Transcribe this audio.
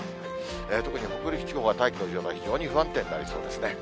特に北陸地方は、大気の状態、非常に不安定になりそうですね。